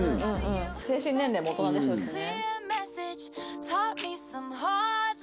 精神年齢も大人でしょうしね。